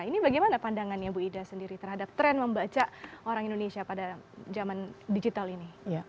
ini bagaimana pandangannya bu ida sendiri terhadap tren membaca orang indonesia pada zaman digital ini